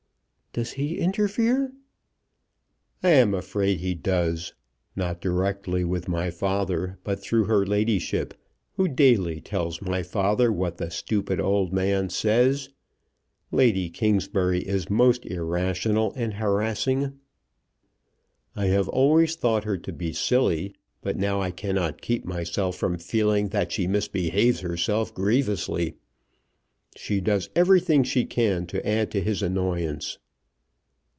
"Does he interfere?" "I am afraid he does; not directly with my father, but through her ladyship, who daily tells my father what the stupid old man says. Lady Kingsbury is most irrational and harassing. I have always thought her to be silly, but now I cannot keep myself from feeling that she misbehaves herself grievously. She does everything she can to add to his annoyance."